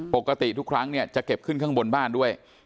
ปกติทุกครั้งเนี่ยจะเก็บขึ้นข้างบนบ้านด้วย